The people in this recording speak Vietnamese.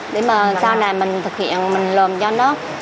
để mà sau này mình thực hiện mình làm cho nó thuận lợi hơn